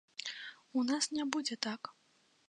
У нас не будзе так.